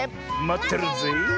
まってるよ！